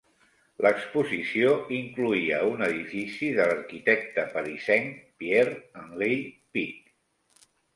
L'exposició incloïa un edifici de l'arquitecte parisenc Pierre-Henri Picq.